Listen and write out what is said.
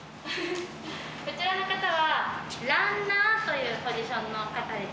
こちらの方はランナーというポジションの方です。